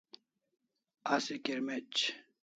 Asi kirmec'